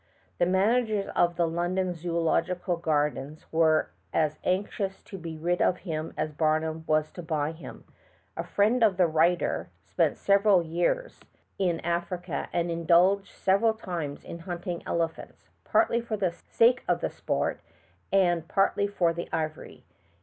The managers of the London Zoological Gar dens were as anxious to be rid of him as Mr. Barnum was to buy him. A friend of the writer spent several years in 212 THE TALKING HANDKERCHIEF. Africa and indulged several times in hunting elephants, partly for the sake of the sport and partly for the ivory.